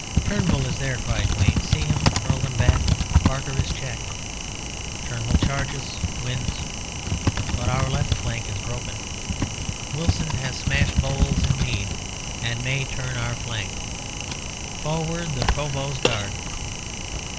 "Turnbull is there!" cried Wayne. "See him hurl them back! Barker is checked! Turnbull charges wins! But our left is broken. Wilson has smashed Bowles and Mead, and may turn our flank. Forward, the Provost's Guard!"